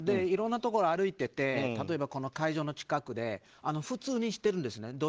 いろいろなところ歩いていて例えば会場の近くで普通にしてるんですね。